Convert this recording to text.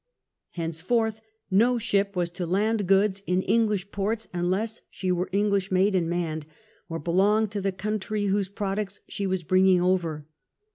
Henceforth no ship was to land goods in English ports unless she were English made and manned, or belonged to the country whose products she was bring ing over.